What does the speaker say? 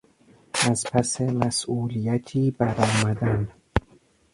از پس مسئولیتی برآمدن